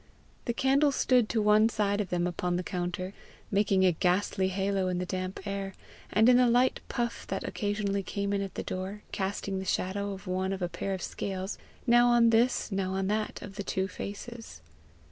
The candle stood to one side of them upon the counter, making a ghastly halo in the damp air; and in the light puff that occasionally came in at the door, casting the shadow of one of a pair of scales, now on this now on that of the two faces.